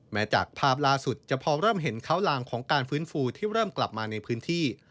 จากภาพล่าสุดจะพอเริ่มเห็นเขาลางของการฟื้นฟูที่เริ่มกลับมาในพื้นที่